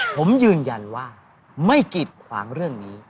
ผมยืนยันว่าไม่กิดขวางเรื่องนี้